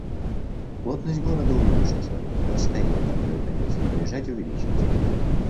Плотность города уменьшится, расстояния, которые придётся проезжать увеличатся